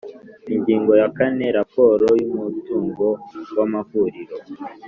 Ingingo ya kane Raporo y umutungo w amahuriro